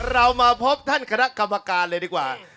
เรามาพบท่านคณะกรรมการเลยดีกว่า